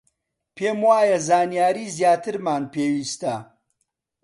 پێم وایە زانیاریی زیاترمان پێویستە.